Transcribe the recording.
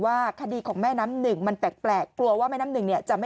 ว่าคดีของแม่น้ำหนึ่งมันแปลกกลัวว่าแม่น้ำหนึ่งเนี่ยจะไม่